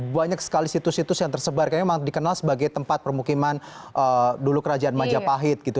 banyak sekali situs situs yang tersebar kayaknya memang dikenal sebagai tempat permukiman dulu kerajaan majapahit gitu